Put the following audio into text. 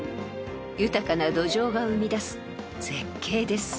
［豊かな土壌が生み出す絶景です］